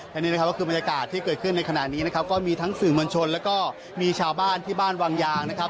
และนี่นะครับก็คือบรรยากาศที่เกิดขึ้นในขณะนี้นะครับก็มีทั้งสื่อมวลชนแล้วก็มีชาวบ้านที่บ้านวังยางนะครับ